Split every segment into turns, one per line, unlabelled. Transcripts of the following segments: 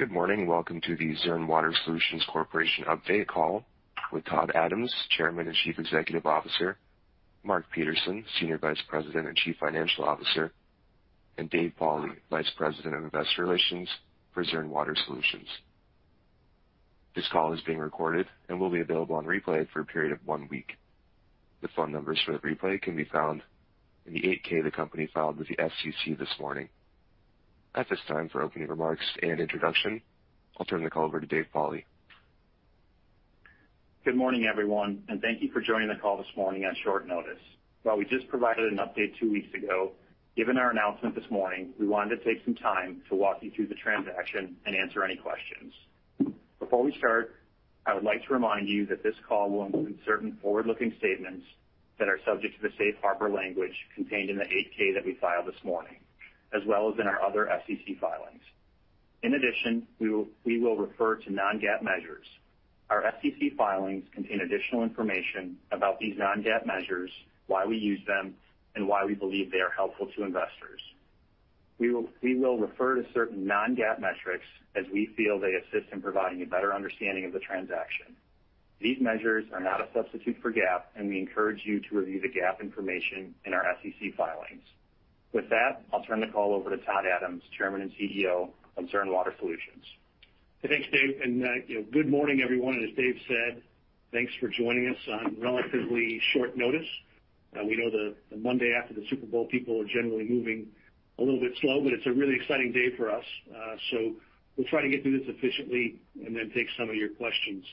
Good morning, and welcome to the Zurn Elkay Water Solutions Corporation update call with Todd Adams, Chairman and Chief Executive Officer, Mark Peterson, Senior Vice President and Chief Financial Officer, and Dave Pauli, Vice President of Investor Relations for Zurn Water Solutions. This call is being recorded and will be available on replay for a period of one week. The phone numbers for the replay can be found in the 8-K the company filed with the SEC this morning. At this time, for opening remarks and introduction, I'll turn the call over to Dave Pauli.
Good morning, everyone, and thank you for joining the call this morning on short notice. While we just provided an update two weeks ago, given our announcement this morning, we wanted to take some time to walk you through the transaction and answer any questions. Before we start, I would like to remind you that this call will include certain forward-looking statements that are subject to the safe harbor language contained in the 8-K that we filed this morning, as well as in our other SEC filings. In addition, we will refer to non-GAAP measures. Our SEC filings contain additional information about these non-GAAP measures, why we use them, and why we believe they are helpful to investors. We will refer to certain non-GAAP metrics as we feel they assist in providing a better understanding of the transaction. These measures are not a substitute for GAAP, and we encourage you to review the GAAP information in our SEC filings. With that, I'll turn the call over to Todd Adams, Chairman and CEO of Zurn Elkay Water Solutions.
Thanks, Dave. You know, good morning everyone. As Dave said, thanks for joining us on relatively short notice. We know the Monday after the Super Bowl, people are generally moving a little bit slow, but it's a really exciting day for us. We'll try to get through this efficiently and then take some of your questions.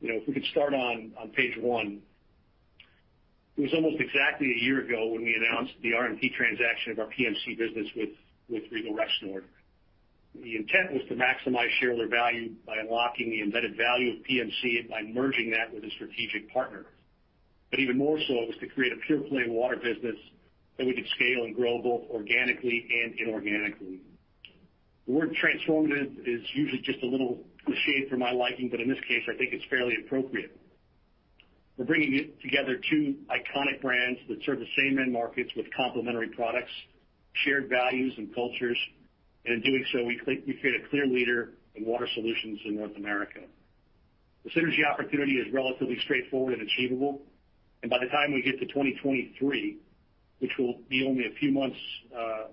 You know, if we could start on page one. It was almost exactly a year ago when we announced the RMT transaction of our PMC business with Regal Rexnord. The intent was to maximize shareholder value by unlocking the embedded value of PMC and by merging that with a strategic partner. Even more so, it was to create a pure play water business that we could scale and grow both organically and inorganically. The word transformative is usually just a little cliché for my liking, but in this case, I think it's fairly appropriate. We're bringing together two iconic brands that serve the same end markets with complementary products, shared values and cultures. In doing so, we create a clear leader in water solutions in North America. The synergy opportunity is relatively straightforward and achievable, and by the time we get to 2023, which will be only a few months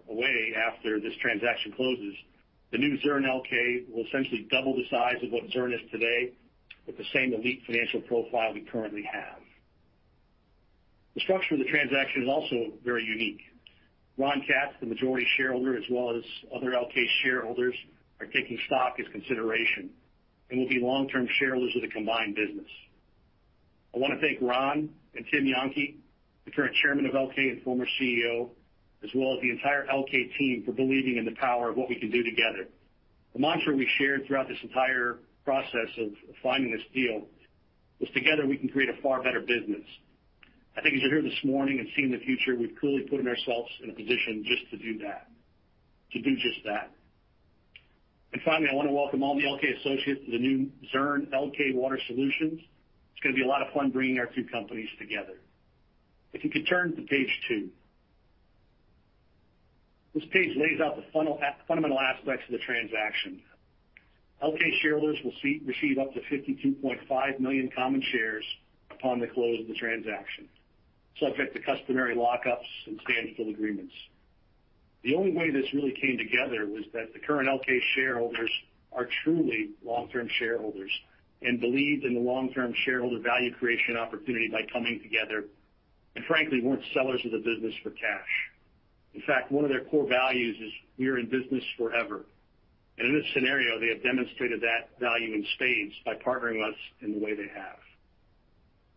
away after this transaction closes, the new Zurn Elkay will essentially double the size of what Zurn is today with the same elite financial profile we currently have. The structure of the transaction is also very unique. Ron Katz, the majority shareholder, as well as other Elkay shareholders, are taking stock as consideration and will be long-term shareholders of the combined business. I wanna thank Ron and Tim Jahnke, the current Chairman of Elkay and former CEO, as well as the entire Elkay team, for believing in the power of what we can do together. The mantra we shared throughout this entire process of finding this deal was, together we can create a far better business. I think as you're here this morning and seeing the future, we've clearly put ourselves in a position just to do that, to do just that. Finally, I wanna welcome all the Elkay associates to the new Zurn Elkay Water Solutions. It's gonna be a lot of fun bringing our two companies together. If you could turn to page two. This page lays out the fundamental aspects of the transaction. Elkay shareholders will receive up to 52.5 million common shares upon the close of the transaction, subject to customary lockups and standstill agreements. The only way this really came together was that the current Elkay shareholders are truly long-term shareholders and believed in the long-term shareholder value creation opportunity by coming together, and frankly, weren't sellers of the business for cash. In fact, one of their core values is we're in business forever. In this scenario, they have demonstrated that value in spades by partnering with us in the way they have.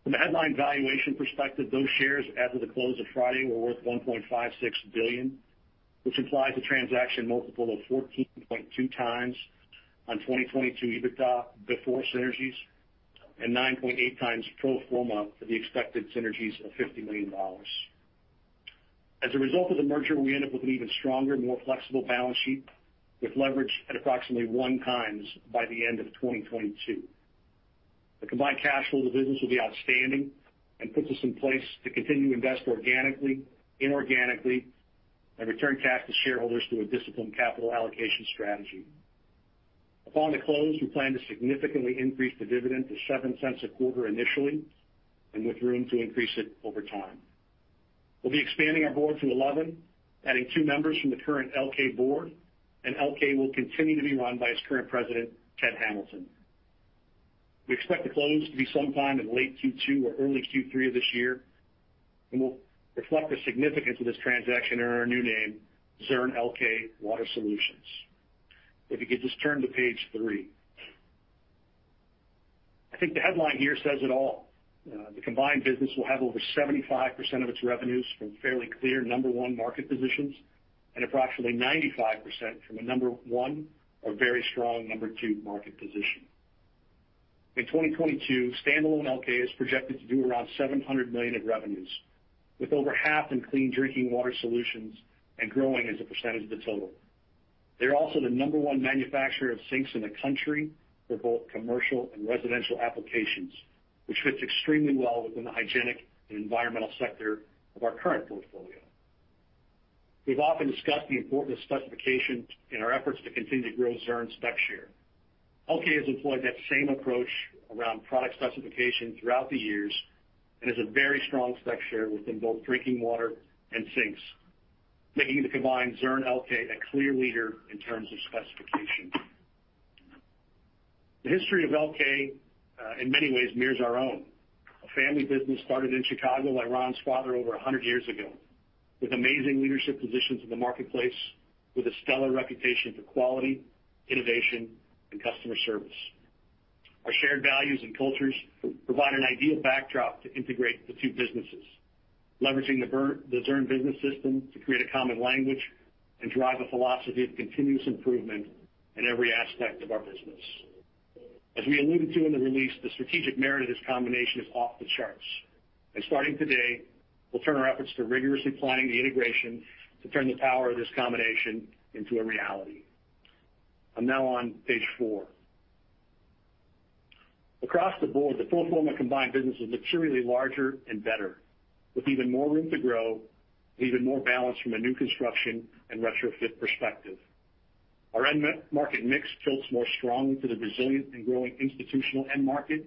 From the headline valuation perspective, those shares, as of the close of Friday, were worth $1.56 billion, which implies a transaction multiple of 14.2x on 2022 EBITDA before synergies and 9.8x pro forma for the expected synergies of $50 million. As a result of the merger, we end up with an even stronger, more flexible balance sheet with leverage at approximately 1x by the end of 2022. The combined cash flow of the business will be outstanding and puts us in place to continue to invest organically, inorganically, and return cash to shareholders through a disciplined capital allocation strategy. Upon the close, we plan to significantly increase the dividend to $0.07 a quarter initially and with room to increase it over time. We'll be expanding our board to 11, adding two members from the current Elkay board, and Elkay will continue to be run by its current president, Ted Hamilton. We expect the close to be sometime in late Q2 or early Q3 of this year, and we'll reflect the significance of this transaction in our new name, Zurn Elkay Water Solutions. If you could just turn to page three. I think the headline here says it all. The combined business will have over 75% of its revenues from fairly clear number one market positions, and approximately 95% from a number one or very strong number two market position. In 2022, standalone Elkay is projected to do around $700 million in revenues with over half in clean drinking water solutions and growing as a percentage of the total. They're also the number one manufacturer of sinks in the country for both commercial and residential applications, which fits extremely well within the hygienic and environmental sector of our current portfolio. We've often discussed the importance of specification in our efforts to continue to grow Zurn spec share. Elkay has employed that same approach around product specification throughout the years and has a very strong spec share within both drinking water and sinks, making the combined Zurn Elkay a clear leader in terms of specification. The history of Elkay in many ways mirrors our own. A family business started in Chicago by Ron's father over 100 years ago, with amazing leadership positions in the marketplace, with a stellar reputation for quality, innovation, and customer service. Our shared values and cultures provide an ideal backdrop to integrate the two businesses, leveraging the Zurn Business System to create a common language and drive a philosophy of continuous improvement in every aspect of our business. As we alluded to in the release, the strategic merit of this combination is off the charts. Starting today, we'll turn our efforts to rigorously planning the integration to turn the power of this combination into a reality. I'm now on page four. Across the board, the pro forma combined business is materially larger and better, with even more room to grow and even more balance from a new construction and retrofit perspective. Our end market mix tilts more strongly to the resilient and growing institutional end market,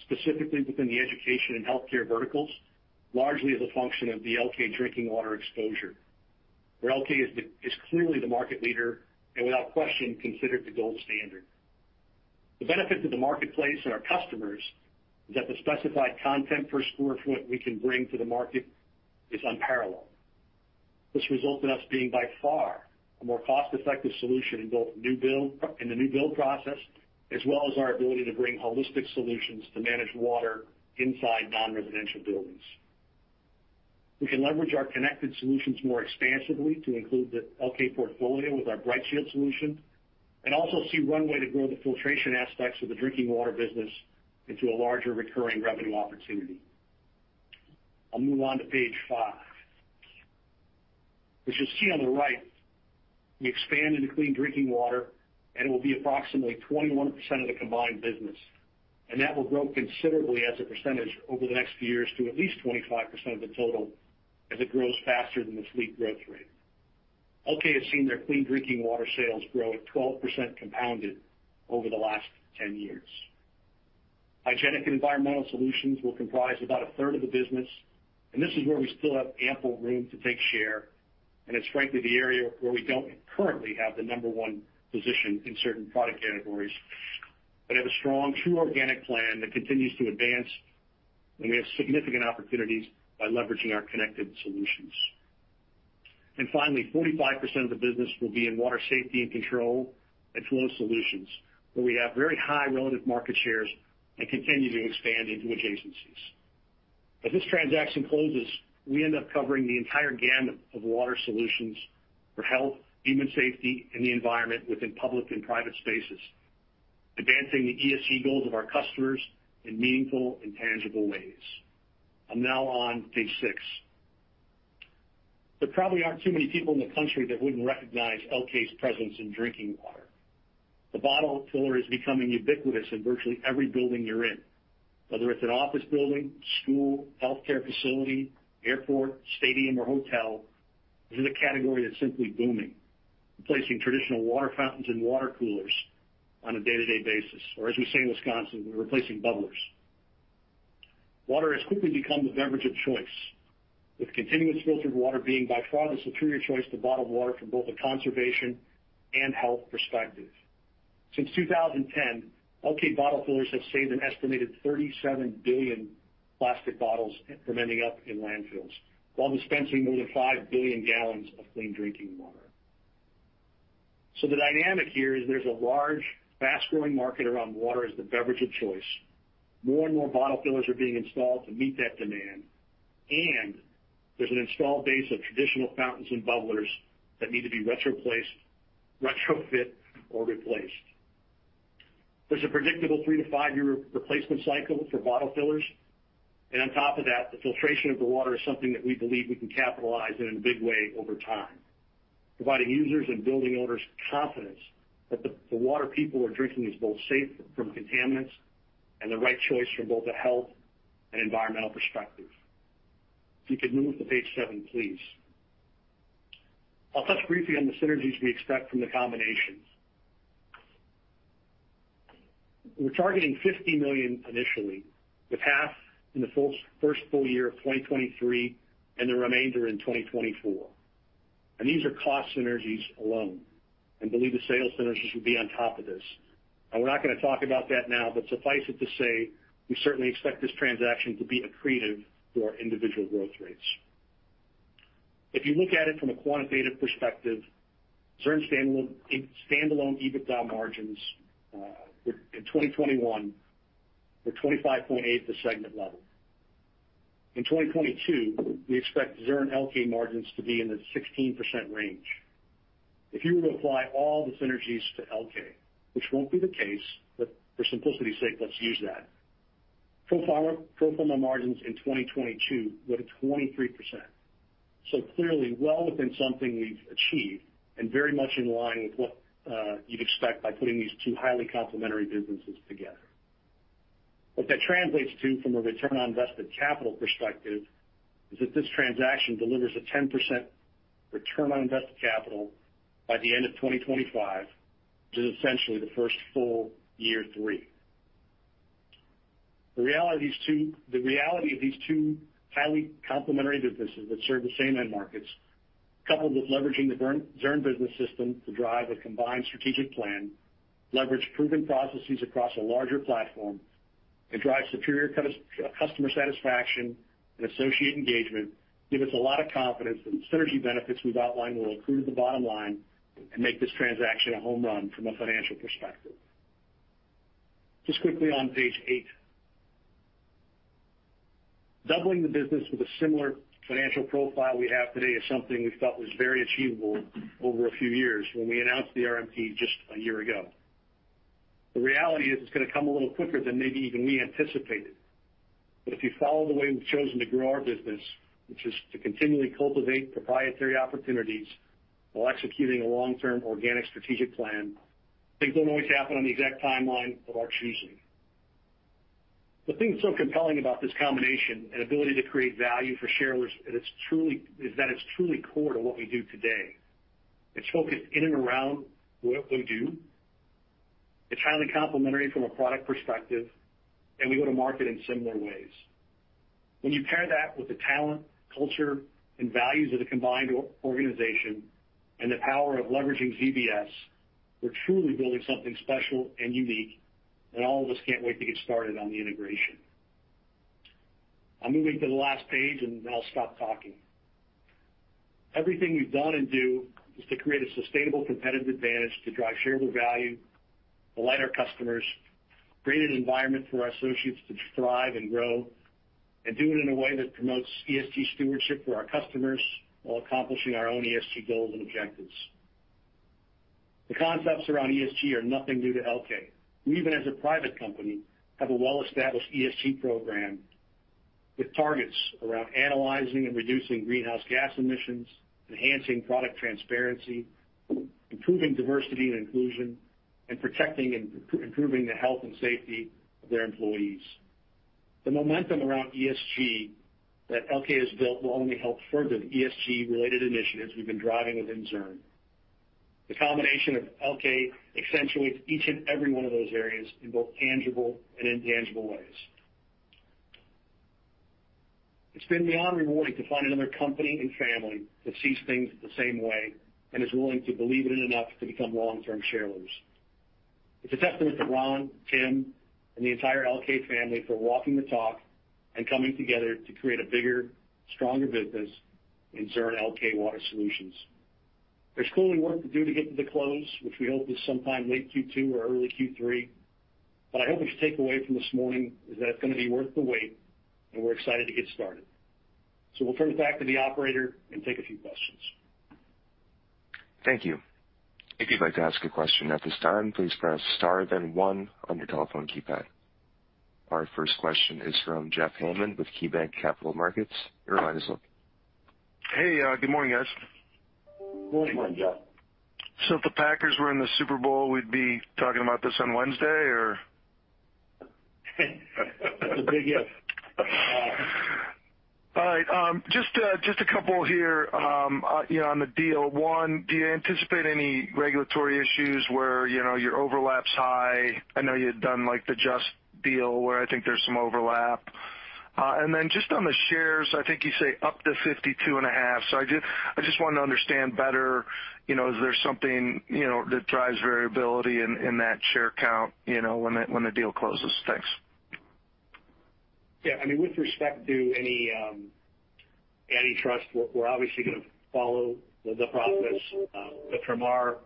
specifically within the education and healthcare verticals, largely as a function of the Elkay Drinking Water exposure, where Elkay is clearly the market leader and without question, considered the gold standard. The benefit to the marketplace and our customers is that the specified content per square foot we can bring to the market is unparalleled. This results in us being by far a more cost-effective solution in both the new build process, as well as our ability to bring holistic solutions to manage water inside non-residential buildings. We can leverage our connected solutions more expansively to include the Elkay portfolio with our Brightshield solution and also see runway to grow the filtration aspects of the drinking water business into a larger recurring revenue opportunity. I'll move on to page five. As you see on the right, we expand into clean drinking water, and it will be approximately 21% of the combined business, and that will grow considerably as a percentage over the next few years to at least 25% of the total as it grows faster than the fleet growth rate. Elkay has seen their clean drinking water sales grow at 12% compounded over the last 10 years. Hygienic and environmental solutions will comprise about a third of the business, and this is where we still have ample room to take share, and it's frankly the area where we don't currently have the number one position in certain product categories, but have a strong true organic plan that continues to advance, and we have significant opportunities by leveraging our connected solutions. Finally, 45% of the business will be in water safety and control and flow solutions, where we have very high relative market shares and continue to expand into adjacencies. As this transaction closes, we end up covering the entire gamut of water solutions for health, human safety, and the environment within public and private spaces, advancing the ESG goals of our customers in meaningful and tangible ways. I'm now on page 6. There probably aren't too many people in the country that wouldn't recognize Elkay's presence in drinking water. The bottle filler is becoming ubiquitous in virtually every building you're in, whether it's an office building, school, healthcare facility, airport, stadium or hotel. This is a category that's simply booming, replacing traditional water fountains and water coolers on a day-to-day basis. As we say in Wisconsin, we're replacing bubblers. Water has quickly become the beverage of choice, with continuous filtered water being by far the superior choice to bottled water from both a conservation and health perspective. Since 2010, Elkay bottle fillers have saved an estimated 37 billion plastic bottles from ending up in landfills, while dispensing more than 5 billion gallons of clean drinking water. The dynamic here is there's a large, fast-growing market around water as the beverage of choice. More and more bottle fillers are being installed to meet that demand, and there's an installed base of traditional fountains and bubblers that need to be retrofit or replaced. There's a predictable 3-5-year replacement cycle for bottle fillers. On top of that, the filtration of the water is something that we believe we can capitalize in a big way over time, providing users and building owners confidence that the water people are drinking is both safe from contaminants and the right choice from both a health and environmental perspective. If you could move to page seven, please. I'll touch briefly on the synergies we expect from the combination. We're targeting $50 million initially, with half in the first full year of 2023 and the remainder in 2024. These are cost synergies alone, and we believe the sales synergies will be on top of this. We're not gonna talk about that now, but suffice it to say, we certainly expect this transaction to be accretive to our individual growth rates. If you look at it from a quantitative perspective, Zurn's standalone EBITDA margins in 2021 were 25.8% at the segment level. In 2022, we expect Zurn Elkay margins to be in the 16% range. If you were to apply all the synergies to Elkay, which won't be the case, but for simplicity's sake, let's use that, pro forma margins in 2022 go to 23%. Clearly well within something we've achieved and very much in line with what you'd expect by putting these two highly complementary businesses together. What that translates to from a return on invested capital perspective is that this transaction delivers a 10% return on invested capital by the end of 2025, which is essentially the first full year three. The reality of these two highly complementary businesses that serve the same end markets, coupled with leveraging the Zurn business system to drive a combined strategic plan, leverage proven processes across a larger platform, and drive superior customer satisfaction and associate engagement, give us a lot of confidence that the synergy benefits we've outlined will accrue to the bottom line and make this transaction a home run from a financial perspective. Just quickly on page eight. Doubling the business with a similar financial profile we have today is something we felt was very achievable over a few years when we announced the RMP just a year ago. The reality is it's gonna come a little quicker than maybe even we anticipated. If you follow the way we've chosen to grow our business, which is to continually cultivate proprietary opportunities while executing a long-term organic strategic plan, things don't always happen on the exact timeline of our choosing. The thing that's so compelling about this combination and ability to create value for shareholders is that it's truly core to what we do today. It's focused in and around what we do. It's highly complementary from a product perspective, and we go to market in similar ways. When you pair that with the talent, culture, and values of the combined organization and the power of leveraging ZBS, we're truly building something special and unique, and all of us can't wait to get started on the integration. I'm moving to the last page, and then I'll stop talking. Everything we've done and do is to create a sustainable competitive advantage to drive shareholder value, delight our customers, create an environment for our associates to thrive and grow, and do it in a way that promotes ESG stewardship for our customers while accomplishing our own ESG goals and objectives. The concepts around ESG are nothing new to Elkay. We, even as a private company, have a well-established ESG program with targets around analyzing and reducing greenhouse gas emissions, enhancing product transparency, improving diversity and inclusion, and protecting and improving the health and safety of our employees. The momentum around ESG that Elkay has built will only help further the ESG-related initiatives we've been driving within Zurn. The combination of Elkay accentuates each and every one of those areas in both tangible and intangible ways. It's been beyond rewarding to find another company and family that sees things the same way and is willing to believe in it enough to become long-term shareholders. It's a testament to Ron, Tim, and the entire Elkay family for walking the talk and coming together to create a bigger, stronger business in Zurn Elkay Water Solutions. There's clearly work to do to get to the close, which we hope is sometime late Q2 or early Q3. What I hope you should take away from this morning is that it's gonna be worth the wait, and we're excited to get started. We'll turn it back to the operator and take a few questions.
Thank you. If you'd like to ask a question at this time, please press star then one on your telephone keypad. Our first question is from Jeff Hammond with KeyBanc Capital Markets. Your line is open.
Hey, good morning, guys.
Good morning, Jeff.
If the Packers were in the Super Bowl, we'd be talking about this on Wednesday, or?
That's a big if.
All right, just a couple here, you know, on the deal. One, do you anticipate any regulatory issues where, you know, your overlap's high? I know you had done like the Just deal, where I think there's some overlap. Just on the shares, I think you say up to 52.5. I just wanted to understand better, you know, is there something, you know, that drives variability in that share count, you know, when the deal closes? Thanks.
Yeah, I mean, with respect to any antitrust, we're obviously gonna follow the process. From our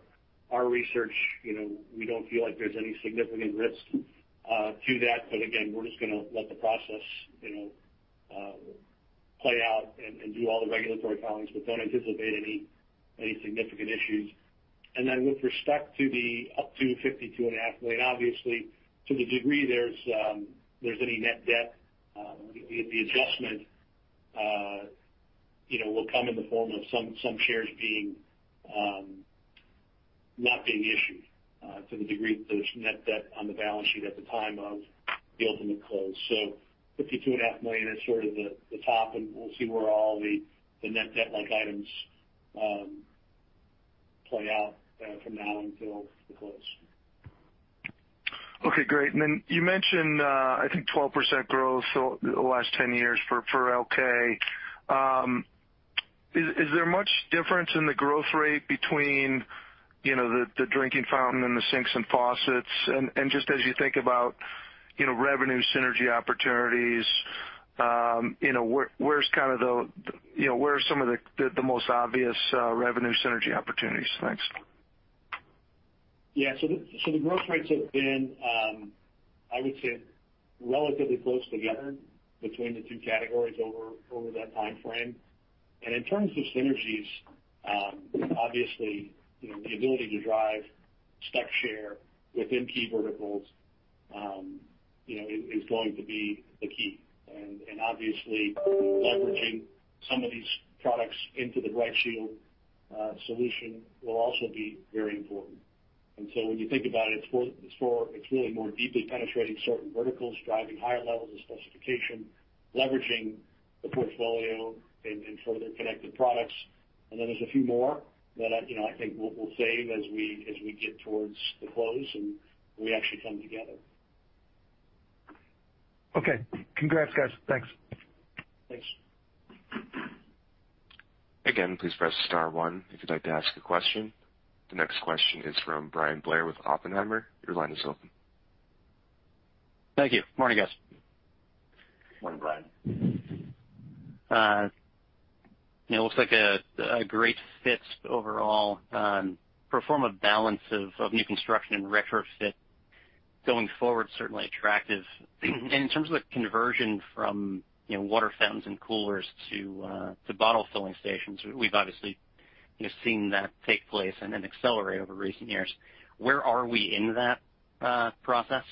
research, you know, we don't feel like there's any significant risk to that. Again, we're just gonna let the process, you know, play out and do all the regulatory filings, but don't anticipate any significant issues. Then with respect to the up to $52.5 million, obviously, to the degree there's any net debt, the adjustment, you know, will come in the form of some shares not being issued, to the degree that there's net debt on the balance sheet at the time of the ultimate close. $52.5 million is sort of the top, and we'll see where all the net debt like items play out from now until the close.
Okay, great. You mentioned, I think 12% growth over the last 10 years for Elkay. Is there much difference in the growth rate between the drinking fountain and the sinks and faucets? Just as you think about revenue synergy opportunities, where's kinda the where are some of the most obvious revenue synergy opportunities? Thanks.
Yeah. The growth rates have been, I would say, relatively close together between the two categories over that timeframe. In terms of synergies, obviously, you know, the ability to drive spec share within key verticals, you know, is going to be the key. Obviously leveraging some of these products into the BrightShield solution will also be very important. When you think about it's really more deeply penetrating certain verticals, driving higher levels of specification, leveraging the portfolio and further connected products. Then there's a few more that, you know, I think we'll save as we get towards the close and we actually come together.
Okay. Congrats, guys. Thanks.
Thanks.
Again, please press star one if you'd like to ask a question. The next question is from Bryan Blair with Oppenheimer. Your line is open.
Thank you. Morning, guys.
Morning, Bryan.
It looks like a great fit overall for a form of balance of new construction and retrofit going forward, certainly attractive. In terms of the conversion from, you know, water fountains and coolers to bottle filling stations, we've obviously, you know, seen that take place and then accelerate over recent years. Where are we in that process?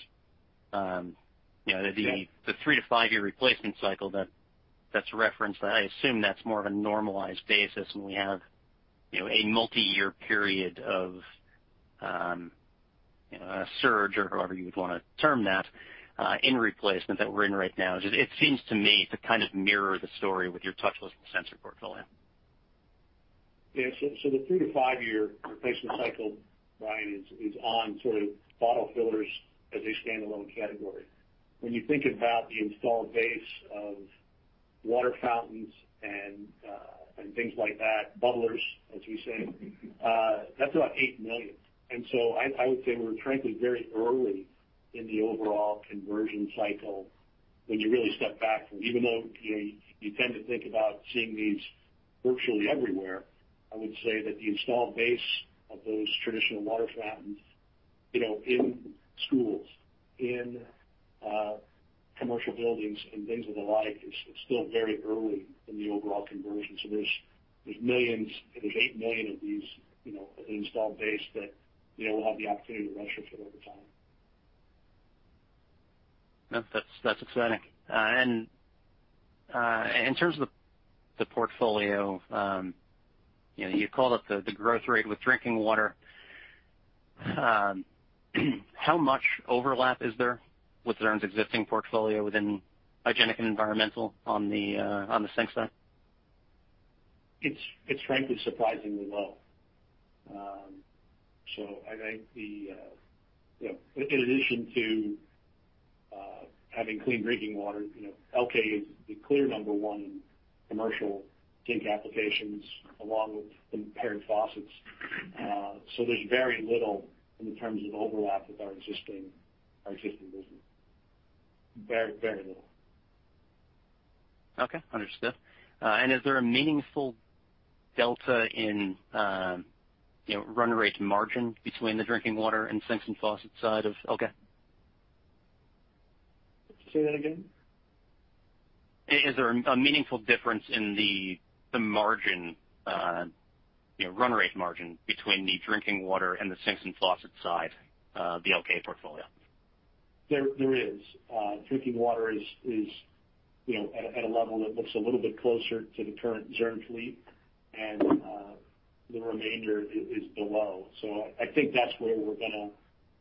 You know, the- The 3- to 5-year replacement cycle that's referenced, I assume that's more of a normalized basis, and we have, you know, a multi-year period of, you know, a surge or however you would wanna term that, in replacement that we're in right now. It seems to me to kind of mirror the story with your touchless sensor portfolio.
Yeah. The 3- to 5-year replacement cycle, Bryan, is on sort of bottle fillers as a standalone category. When you think about the installed base of water fountains and things like that, bubblers, as we say, that's about 8 million. I would say we're frankly very early in the overall conversion cycle when you really step back. Even though, you know, you tend to think about seeing these virtually everywhere, I would say that the installed base of those traditional water fountains, you know, in schools, in commercial buildings and things of the like, is still very early in the overall conversion. There's millions, 8 million of these, you know, installed base that, you know, we'll have the opportunity to retrofit over time.
That's exciting. In terms of the portfolio, you know, you called out the growth rate with drinking water. How much overlap is there with Zurn's existing portfolio within hygienic and environmental on the sink side?
It's frankly surprisingly low. I think you know, in addition to having clean drinking water, you know, Elkay is the clear number one in commercial sink applications along with commercial faucets. There's very little in terms of overlap with our existing business. Very little.
Okay, understood. Is there a meaningful delta in, you know, run rate margin between the drinking water and sinks and faucets side of Elkay?
Say that again.
Is there a meaningful difference in the margin, you know, run rate margin between the drinking water and the sinks and faucet side of the Elkay portfolio?
There is. Drinking water is, you know, at a level that looks a little bit closer to the current Zurn fleet, and the remainder is below. I think that's where we're gonna,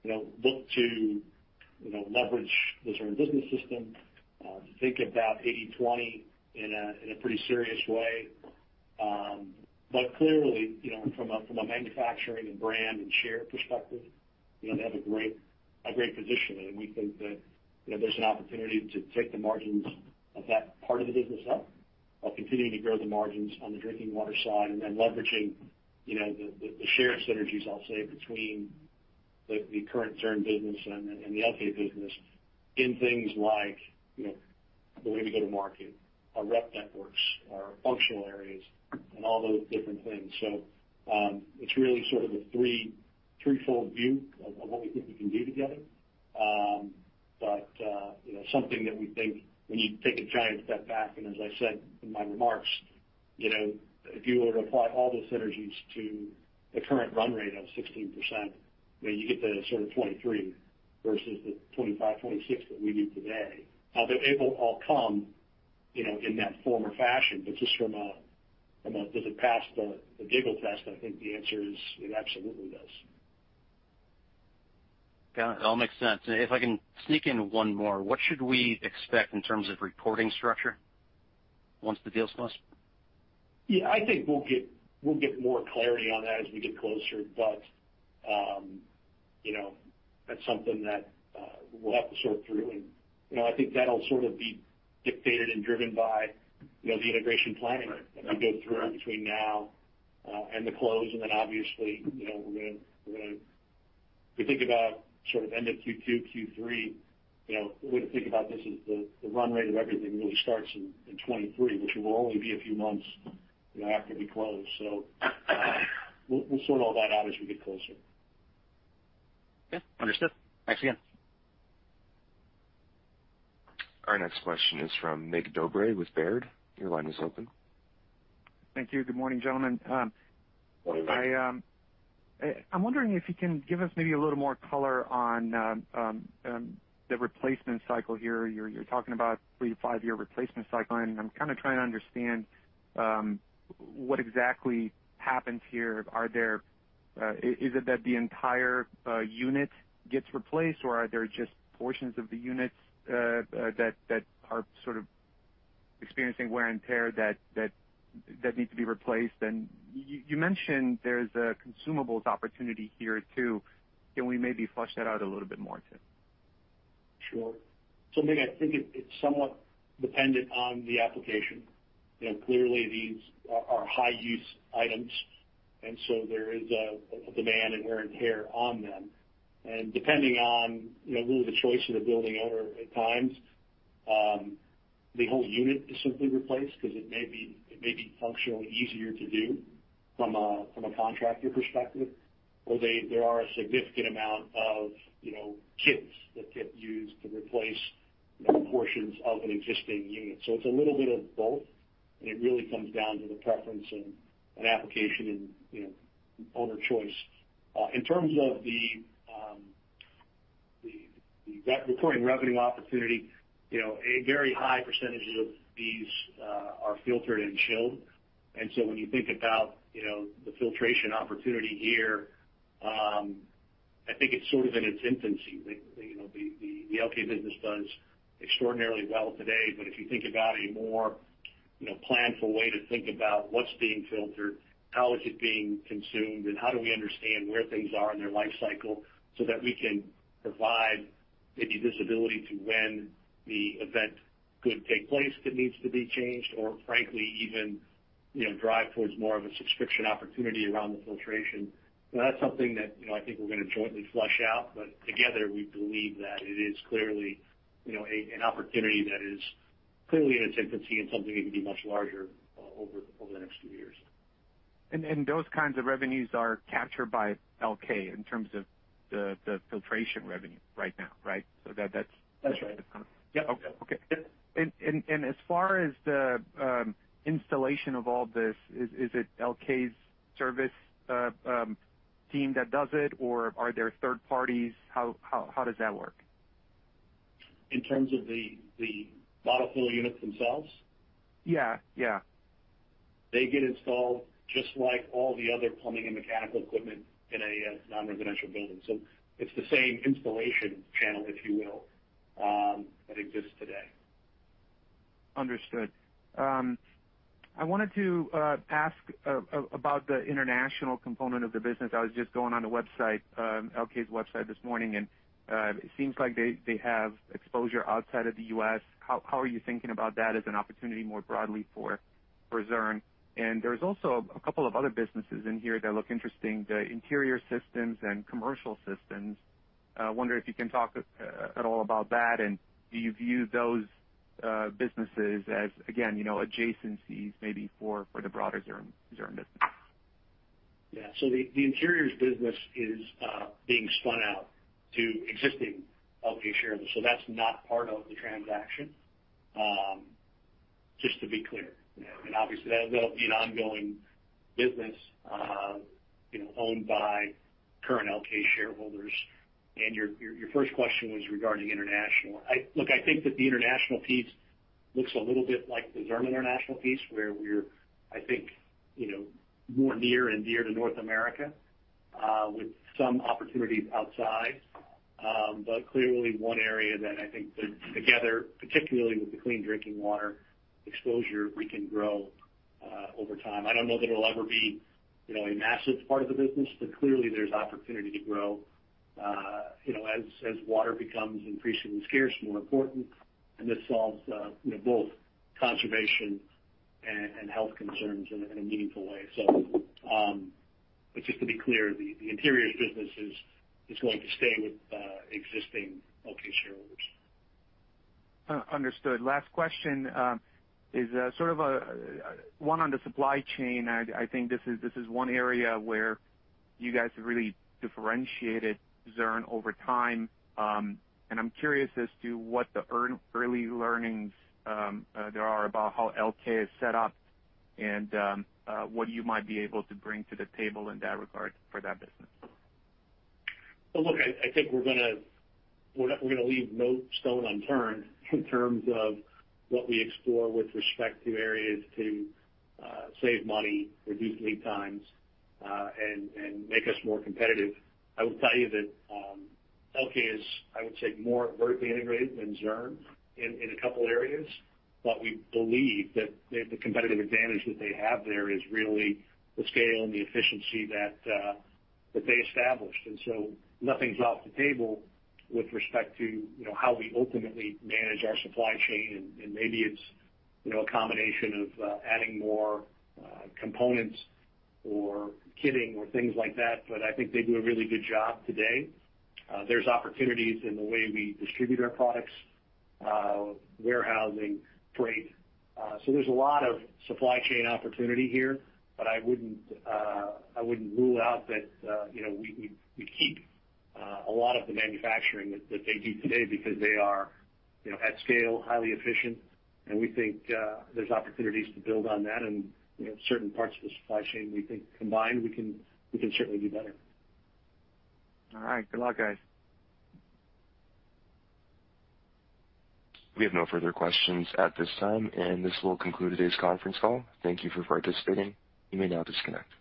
you know, look to, you know, leverage the Zurn Business System to think about 80/20 in a pretty serious way. Clearly, you know, from a manufacturing and brand and share perspective, you know, they have a great position. We think that, you know, there's an opportunity to take the margins of that part of the business up while continuing to grow the margins on the drinking water side and then leveraging, you know, the shared synergies, I'll say, between the current Zurn business and the Elkay business in things like, you know, the way we go to market, our rep networks, our functional areas, and all those different things. It's really sort of a threefold view of what we think we can do together. You know, something that we think when you take a giant step back, and as I said in my remarks, you know, if you were to apply all the synergies to the current run rate of 16%, you know, you get to sort of 23% versus the 25%-26% that we do today. It will all come, you know, in that form or fashion. Just from a does it pass the giggle test, I think the answer is it absolutely does.
Got it. All makes sense. If I can sneak in one more, what should we expect in terms of reporting structure once the deal's closed?
Yeah, I think we'll get more clarity on that as we get closer, but you know, that's something that we'll have to sort through. You know, I think that'll sort of be dictated and driven by you know, the integration planning that we go through between now and the close. Obviously, you know, we're gonna. If you think about sort of end of Q2, Q3, you know, a way to think about this is the run rate of everything really starts in 2023, which will only be a few months, you know, after we close. We'll sort all that out as we get closer.
Okay. Understood. Thanks again.
Our next question is from Nathan Jones with Baird. Your line is open.
Thank you. Good morning, gentlemen.
Morning.
I'm wondering if you can give us maybe a little more color on the replacement cycle here. You're talking about 3-5-year replacement cycle, and I'm kinda trying to understand what exactly happens here. Is it that the entire unit gets replaced, or are there just portions of the units that are sort of experiencing wear and tear that need to be replaced? You mentioned there's a consumables opportunity here too. Can we maybe flesh that out a little bit more too?
Sure. Maybe it's somewhat dependent on the application, you know. Clearly, these are high-use items, and there is a demand and wear and tear on them. Depending on, you know, really the choice of the building owner at times, the whole unit is simply replaced 'cause it may be functionally easier to do from a contractor perspective, or there are a significant amount of, you know, kits that get used to replace portions of an existing unit. It's a little bit of both, and it really comes down to the preference in an application and, you know, owner choice. In terms of the recurring revenue opportunity, you know, a very high percentage of these are filtered and chilled. When you think about, you know, the filtration opportunity here, I think it's sort of in its infancy. The, you know, the Elkay business does extraordinarily well today, but if you think about a more, you know, planful way to think about what's being filtered, how is it being consumed, and how do we understand where things are in their life cycle so that we can provide maybe visibility to when the event could take place that needs to be changed or frankly even, you know, drive towards more of a subscription opportunity around the filtration. That's something that, you know, I think we're gonna jointly flesh out, but together we believe that it is clearly, you know, an opportunity that is clearly in its infancy and something that can be much larger, over the next few years.
Those kinds of revenues are captured by Elkay in terms of the filtration revenue right now, right? That's-
That's right.
Okay. As far as the installation of all this, is it Elkay's service team that does it, or are there third parties? How does that work?
In terms of the bottle filler units themselves?
Yeah, yeah.
They get installed just like all the other plumbing and mechanical equipment in a non-residential building. It's the same installation channel, if you will, that exists today.
Understood. I wanted to ask about the international component of the business. I was just going on the website, Elkay's website this morning, and it seems like they have exposure outside of the U.S. How are you thinking about that as an opportunity more broadly for Zurn? There's also a couple of other businesses in here that look interesting, the interior systems and commercial systems. I wonder if you can talk at all about that, and do you view those businesses as again, you know, adjacencies maybe for the broader Zurn business?
The interiors business is being spun out to existing Elkay shareholders, so that's not part of the transaction. Just to be clear. Obviously, that'll be an ongoing business, you know, owned by current Elkay shareholders. Your first question was regarding international. Look, I think that the international piece looks a little bit like the Zurn international piece, where we're, I think, you know, more near and dear to North America, with some opportunities outside. Clearly one area that I think that together, particularly with the clean drinking water exposure, we can grow over time. I don't know that it'll ever be, you know, a massive part of the business, but clearly there's opportunity to grow, you know, as water becomes increasingly scarce, more important, and this solves, you know, both conservation and health concerns in a meaningful way. Just to be clear, the interiors business is going to stay with existing Elkay shareholders.
Understood. Last question is sort of one on the supply chain. I think this is one area where you guys have really differentiated Zurn over time, and I'm curious as to what the early learnings there are about how Elkay is set up and what you might be able to bring to the table in that regard for that business.
Well, look, I think we're gonna leave no stone unturned in terms of what we explore with respect to areas to save money, reduce lead times, and make us more competitive. I will tell you that Elkay is, I would say, more vertically integrated than Zurn in a couple areas, but we believe that the competitive advantage that they have there is really the scale and the efficiency that they established. Nothing's off the table with respect to, you know, how we ultimately manage our supply chain, and maybe it's, you know, a combination of adding more components or kitting or things like that, but I think they do a really good job today. There's opportunities in the way we distribute our products, warehousing, freight. There's a lot of supply chain opportunity here, but I wouldn't rule out that, you know, we keep a lot of the manufacturing that they do today because they are, you know, at scale, highly efficient, and we think there's opportunities to build on that and, you know, certain parts of the supply chain we think combined we can certainly do better.
All right. Good luck, guys.
We have no further questions at this time, and this will conclude today's conference call. Thank you for participating. You may now disconnect.